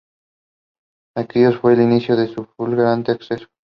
Aquello fue el inicio de su fulgurante ascenso.